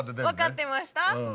分かってました？